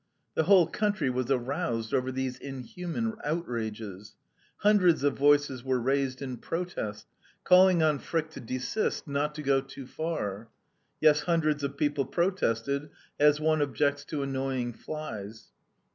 The whole country was aroused over these inhuman outrages. Hundreds of voices were raised in protest, calling on Frick to desist, not to go too far. Yes, hundreds of people protested, as one objects to annoying flies.